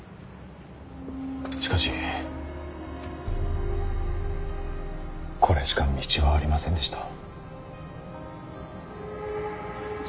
しかしこれしか道はありませんでした。